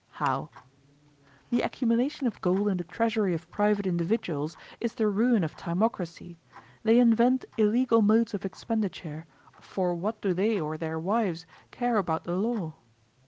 How? The accumulation of gold in the treasury of private individuals is the ruin of timocracy; they invent illegal modes of expenditure; for what do they or their wives care about the law?